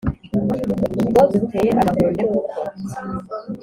Ubwo duteye Abahunde koko